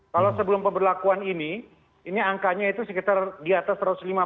kalau sebelum pemberlakuan ini ini angkanya itu sekitar di atas satu ratus lima puluh